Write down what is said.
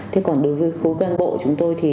thế còn đối với khối cán bộ chúng tôi thì